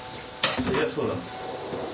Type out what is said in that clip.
そりゃそうだ。